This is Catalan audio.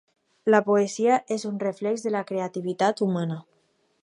La poesia és un reflex de la creativitat humana.